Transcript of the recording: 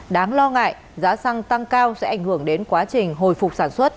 đáng lo ngại giá xăng tăng cao sẽ ảnh hưởng đến quá trình hồi phục sản xuất